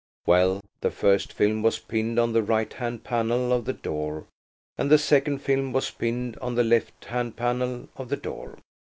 Well, the first film was pinned on the right hand panel of the door and the second film was pinned on the left hand panel of the door.